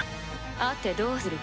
会ってどうする気？